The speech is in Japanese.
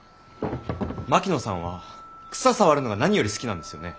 槙野さんは草触るのが何より好きなんですよね？